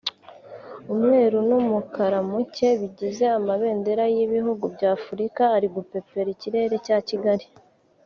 umweru n’umukara muke bigize amabendera y’ibihugu bya Afurika ari gupepera ikirere cya Kigali